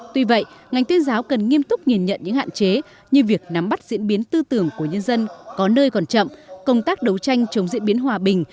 tuy vậy ngành tuyên giáo cần nghiêm túc nhìn nhận những hạn chế như việc nắm bắt diễn biến tư tưởng của nhân dân có nơi còn chậm công tác đấu tranh chống diễn biến hòa bình